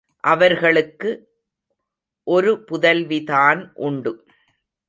அவர்களுக்கு ஒருபுதல்விதான் உண்டு.